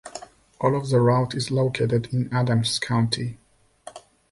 All of the route is located in Adams County.